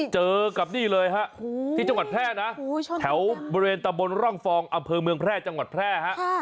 เจอกับนี่เลยฮะที่จังหวัดแพร่นะแถวบริเวณตะบนร่องฟองอำเภอเมืองแพร่จังหวัดแพร่ฮะ